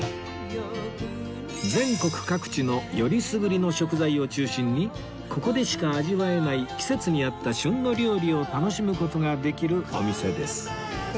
全国各地のよりすぐりの食材を中心にここでしか味わえない季節に合った旬の料理を楽しむ事ができるお店です